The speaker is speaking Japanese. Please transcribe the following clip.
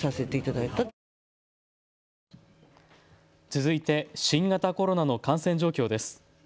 続いて新型コロナの感染状況です。